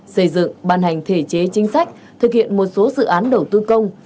xây dựng ban hành thể chế chính sách thực hiện một số dự án đầu tư công